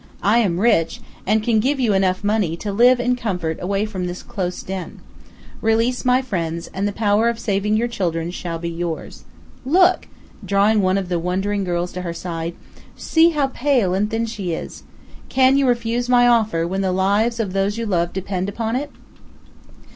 I am rich, and can give you enough money to live in comfort away from this close den. Release my friends, and the power of saving your children shall be yours. Look!" drawing one of the wondering girls to her side, "see how pale and thin she is! Can you refuse my offer when the lives of those you love depend upon it?"